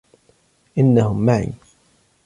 إنّهم معي.